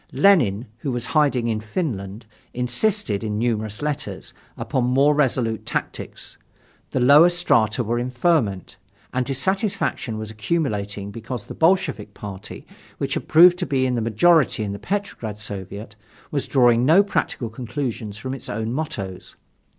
Lenin, who was in hiding in Finland, insisted, in numerous letters, upon more resolute tactics. The lower strata were in ferment, and dissatisfaction was accumulating because the Bolshevik party, which had proved to be in the majority in the Petrograd Soviet, was drawing no practical conclusions from its own mottos.